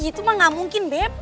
itu mah gak mungkin bep